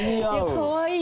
かわいい！